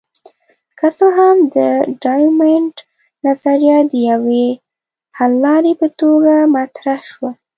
که څه هم د ډایمونډ نظریه د یوې حللارې په توګه مطرح شوه.